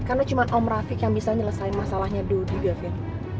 karena cuma om rafiq yang bisa nyelesain masalahnya dodi gavin